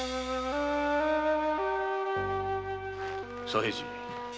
左平次。